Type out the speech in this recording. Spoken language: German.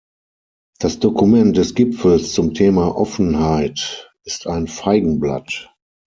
Das Dokument des Gipfels zum Thema Offenheit ist ein Feigenblatt.